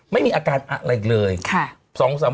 ไม่มีอาการอะไรเลยค่ะ